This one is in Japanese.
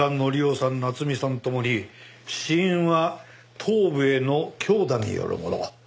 夏美さんともに死因は頭部への強打によるもの。